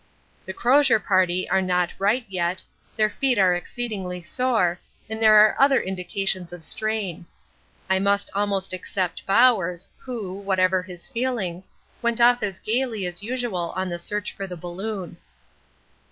The Crozier Party are not right yet, their feet are exceedingly sore, and there are other indications of strain. I must almost except Bowers, who, whatever his feelings, went off as gaily as usual on the search for the balloon.